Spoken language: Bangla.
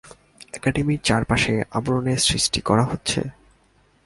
একাডেমীর চারপাশে আবরণের সৃষ্টি করা হচ্ছে?